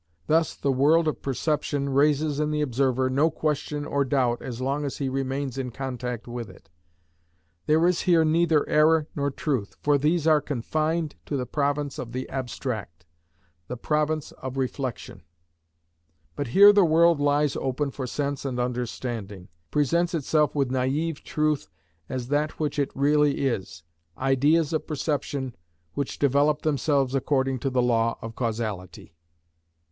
Thus the world of perception raises in the observer no question or doubt so long as he remains in contact with it: there is here neither error nor truth, for these are confined to the province of the abstract—the province of reflection. But here the world lies open for sense and understanding; presents itself with naive truth as that which it really is—ideas of perception which develop themselves according to the law of causality.